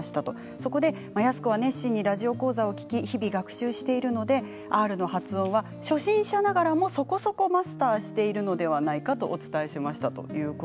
そこで、安子は熱心にラジオ講座を聞き日々学習しているのでＲの発音は初心者ながらもそこそこマスターしているのではないかとお伝えしました。